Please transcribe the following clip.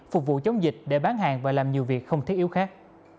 phục vụ chống dịch để bán hàng và làm nhiều việc không thiết yếu khác